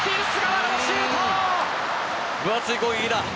分厚い攻撃だ。